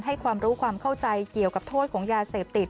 ความรู้ความเข้าใจเกี่ยวกับโทษของยาเสพติด